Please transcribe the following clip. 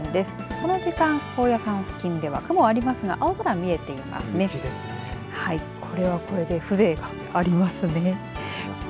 この時間、高野山付近では雲はありますが青空が見えていますね。